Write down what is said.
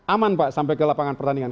aman pak sampai ke lapangan pertandingan